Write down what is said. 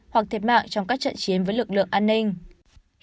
hoặc thiệt mạng trong các trận chiến với lực lượng an ninh